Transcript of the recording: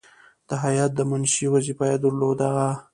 د هیات د منشي وظیفه یې درلوده.